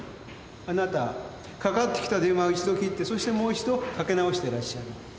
あなたかかってきた電話を一度切ってそしてもう一度かけ直してらっしゃる。